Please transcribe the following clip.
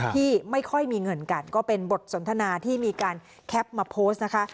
ที่ไม่ค่อยมีเงินกันก็เป็นบทสนทนาที่มีการแคปมาโพสต์นะคะ